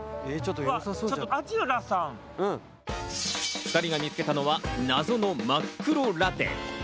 ２人が見つけたのは謎の真っ黒ラテ。